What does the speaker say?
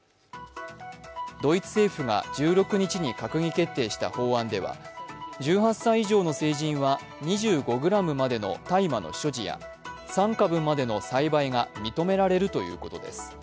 ドイツ政府が１６日に閣議決定した法案では１８歳以上の成人は、２５ｇまでの大麻の所持や３株までの栽培が認められるということです。